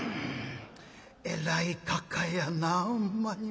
「えらいかかやなほんまにもう。